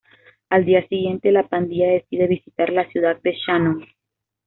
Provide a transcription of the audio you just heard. Al día siguiente, la pandilla decide visitar la ciudad de Shannon.